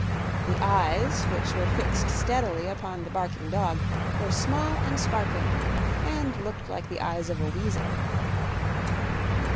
The eyes, which were fixed steadily upon the barking dog, were small and sparkling and looked like the eyes of a weasel.